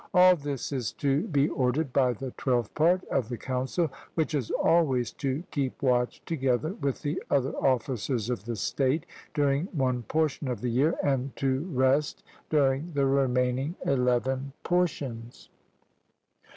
All this is to be ordered by the twelfth part of the council, which is always to keep watch together with the other officers of the state during one portion of the year, and to rest during the remaining eleven portions.